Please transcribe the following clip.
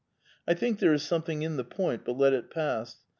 I think there is something in the point ; but let it pass.